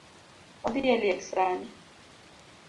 Odhi e liel sani